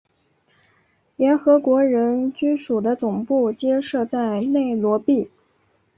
联合国人居署的总部皆设在内罗毕。